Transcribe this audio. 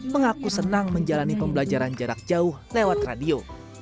mengaku senang menjalani pembelajaran jarak jauh lewat radio